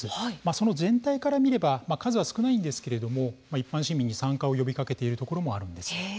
その全体から見れば数は少ないんですけれども一般市民に参加を呼びかけているところもあるんです。